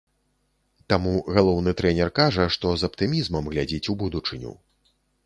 Таму галоўны трэнер кажа, што з аптымізмам глядзіць у будучыню.